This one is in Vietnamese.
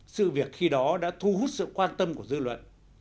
sự việc khi đó đã thu hút sự quan tâm của dư luận